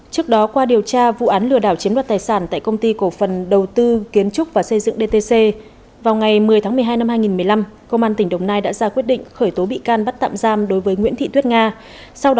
trước đó qua điều tra vụ án lừa đảo chiếm đoạt tài sản tại công ty cổ phần đầu tư kiến trúc và xây dựng dtc vào ngày một mươi tháng một mươi hai năm hai nghìn một mươi năm công an tỉnh đồng nai đã ra quyết định khởi tố bị can bắt tạm giam đối với nguyễn thị tuyết nga